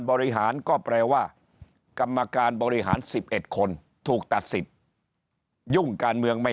บริหารก็แปลว่ากรรมการบริหาร๑๑คนถูกตัดสิทธิ์ยุ่งการเมืองไม่